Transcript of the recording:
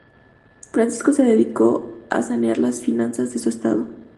Francisco se dedicó a sanear la finanzas de su estado.